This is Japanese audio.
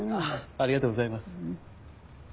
ありがとうございます。